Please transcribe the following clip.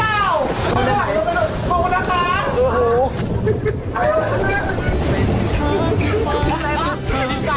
พี่บอกมึงกำลังได้เปล่าขอบคุณนะคะ